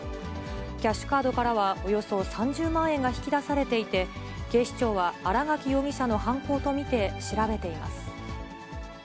キャッシュカードからはおよそ３０万円が引き出されていて、警視庁は新垣容疑者の犯行と見て調べています。